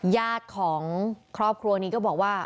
ญาติของครอบครัวนี้ก็บอกว่า